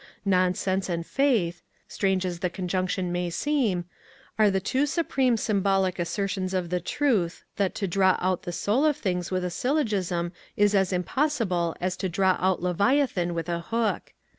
Nonsense and faith (strange as the conjunction may seem) are the two supreme symbolic assertions of the truth that to draw out the soul of things with a syllogism is as impossible as to draw out Leviathan with a hook.